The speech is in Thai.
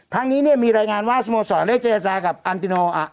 ทางนี้เนี่ยมีรายงานว่าสโมสรได้เจยาศาสตร์กับ